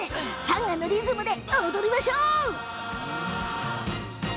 サンガのリズムで踊りましょう！